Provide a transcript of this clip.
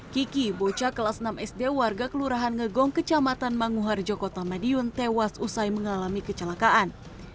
kiki bocah kelas enam sd warga kelurahan ngegong kecamatan manguharjo kota madiun tewas usai mengalami kecelakaan